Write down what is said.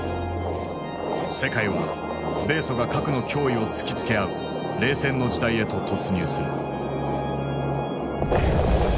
世界は米ソが核の脅威を突きつけ合う「冷戦の時代」へと突入する。